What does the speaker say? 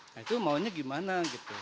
nah itu maunya gimana gitu